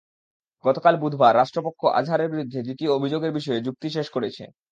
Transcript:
গতকাল বুধবার রাষ্ট্রপক্ষ আজহারের বিরুদ্ধে দ্বিতীয় অভিযোগের বিষয়ে যুক্তি শেষ করেছে।